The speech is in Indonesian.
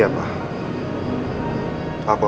bantu dia noh